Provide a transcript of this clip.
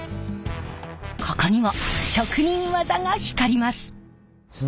ここにも職人技が光ります。